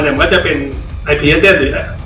มันก็จะเป็นไอพรีเอสเต็มท์จนมีแค่